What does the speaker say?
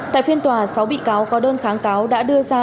tại phiên tòa sáu bị cáo có đơn kháng cáo đã đưa ra